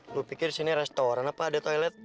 lo pikir sini restoran apa ada toilet